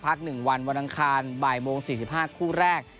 ๑วันวันอังคารบ่ายโมง๔๕คู่แรก